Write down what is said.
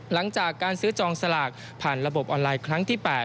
หลังจากการซื้อจองสลากผ่านระบบออนไลน์ครั้งที่๘